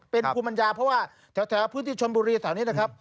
เป็นภูมิปัญญาเพราะว่าแถวพื้นที่ชนบุรีแถวนี้นะครับ